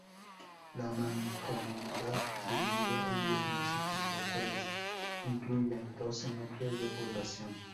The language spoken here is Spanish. La mancomunidad se divide en diez municipios, los cuales incluyen doce núcleos de población.